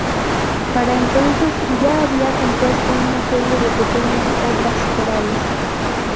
Para entonces ya había compuesto una serie de pequeñas obras corales.